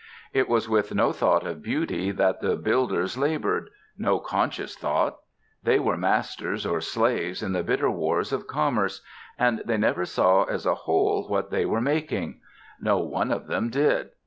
It was with no thought of beauty that the builders labored; no conscious thought; they were masters or slaves in the bitter wars of commerce, and they never saw as a whole what they were making; no one of them did.